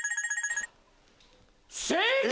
正解！